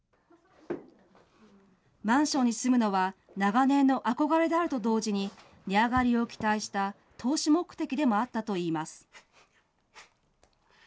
マンションに住むのは、長年の憧れであると同時に、値上がりを期待した投資目的でもあったといいます。